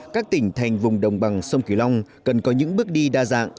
các tỉnh thành vùng đồng bằng sông kiều long cần có những bước đi đa dạng